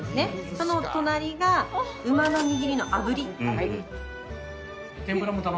その隣が馬のにぎりのあぶり。